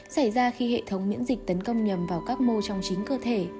xảy ra khi hệ thống miễn dịch tấn công nhầm vào các mô trong chính cơ thể